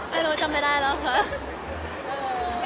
ไม่รู้จำไม่ได้แล้วค่ะ